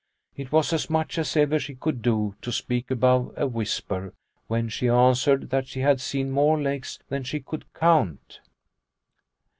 It was as much as ever she could do to speak above a whisper, when she answered that she had seen more lakes than she could count.